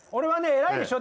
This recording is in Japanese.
偉いでしょ